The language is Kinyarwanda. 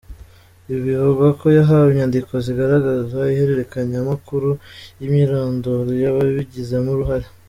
Bivugwa ko yahawe inyandiko zigaragaza ihererekanyamakuru n’imyirondoro y’ababigizemo uruhare.